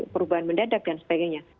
perubahan mendadak dan sebagainya